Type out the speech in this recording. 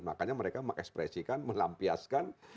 makanya mereka mengekspresikan melampiaskan